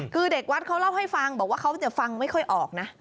คือเด็กวัดเขาเล่าให้ฟังบอกว่าเขาจะฟังไม่ค่อยออกนะ